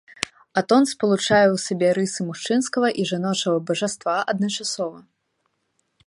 Атон спалучае ў сабе рысы мужчынскага і жаночага бажаства адначасова.